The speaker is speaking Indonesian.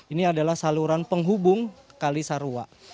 ini adalah saluran penghubung kalisarua